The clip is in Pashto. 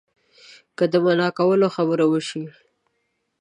که د منع کولو خبره وشي.